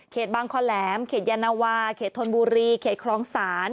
บางคอแหลมเขตยานวาเขตธนบุรีเขตคลองศาล